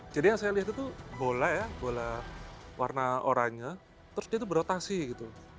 jadi yang saya lihat itu bola ya bola warna oranya terus dia itu berotasi gitu